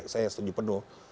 saya setuju penuh